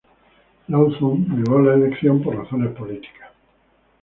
Lauzon negó la elección por razones políticas.